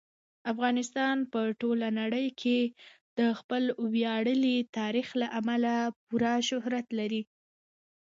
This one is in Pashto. افغانستان په ټوله نړۍ کې د خپل ویاړلي تاریخ له امله پوره شهرت لري.